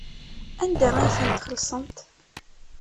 Anda ay ten-txellṣemt?